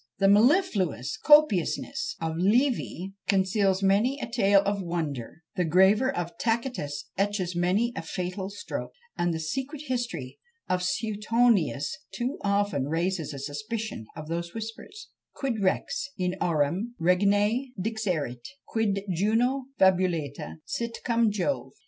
The mellifluous copiousness of Livy conceals many a tale of wonder; the graver of Tacitus etches many a fatal stroke; and the secret history of Suetonius too often raises a suspicion of those whispers, Quid rex in aurem reginæ dixerit, quid Juno fabulata sit cum Jove.